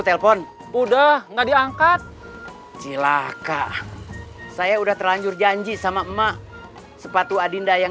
telepon udah nggak diangkat cilaka saya udah terlanjur janji sama emak sepatu adinda yang